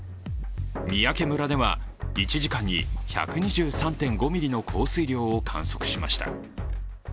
三宅村では１時間に１２３．５ミリの降水量を観測しました。